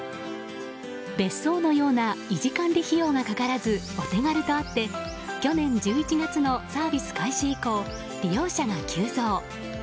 別荘のような維持・管理費用がかからずお手軽とあって去年１１月のサービス開始以降利用者が急増。